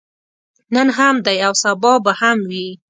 نن هم دی او سبا به هم وي.